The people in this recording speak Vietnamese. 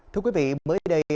thưa quý vị mới đây